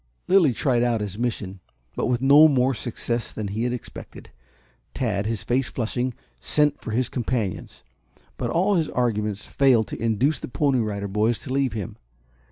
Lilly tried out his mission, but with no more success than he had expected. Tad, his face flushing, sent for his companions. But all his arguments failed to induce the Pony Rider Boys to leave him.